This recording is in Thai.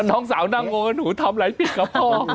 น้องสาวนั่งงงว่าหนูทำอะไรผิดกับพ่อ